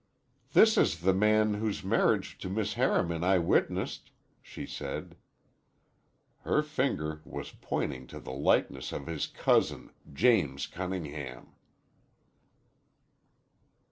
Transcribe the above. "This is the man whose marriage to Miss Harriman I witnessed," she said. Her finger was pointing to the likeness of his cousin James Cunningham.